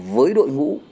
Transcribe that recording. với đội ngũ